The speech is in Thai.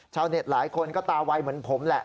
ชาวเน็ตหลายคนก็ตาวัยเหมือนผมแหละ